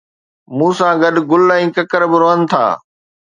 مون سان گڏ گل ۽ ڪڪر به روئن ٿا